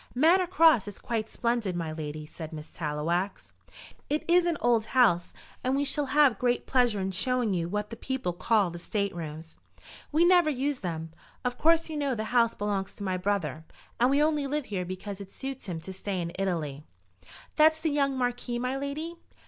"Manor Cross is quite splendid, my lady," said Miss Tallowax. "It is an old house, and we shall have great pleasure in showing you what the people call the state rooms. We never use them. Of course you know the house belongs to my brother, and we only live here because it suits him to stay in Italy." "That's the young Marquis, my lady?"